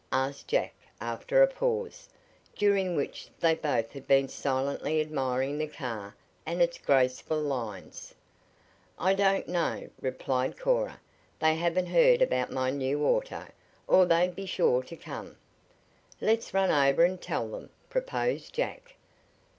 asked Jack after a pause, during which they both had been silently admiring the car and its graceful lines. "I don't know," replied Cora. "They haven't heard about my new auto, or they'd be sure to come." "Let's run over and tell them," proposed Jack.